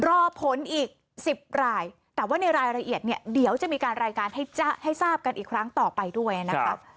รอผลอีก๑๐รายแต่ว่าในรายละเอียดเนี่ยเดี๋ยวจะมีการรายการให้ทราบกันอีกครั้งต่อไปด้วยนะครับ